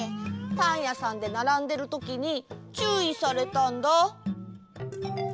パンやさんでならんでるときにちゅういされたんだ。